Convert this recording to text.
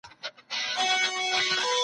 دا مشوره ساده خو ګټوره ده.